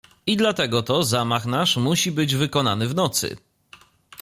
"I dlatego to zamach nasz musi być wykonany w nocy."